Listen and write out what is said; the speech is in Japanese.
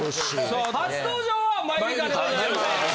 初登場はマユリカでございます。